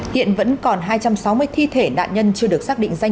hiện vẫn còn hai trăm sáu mươi thi thể nạn nhân chưa được xác định danh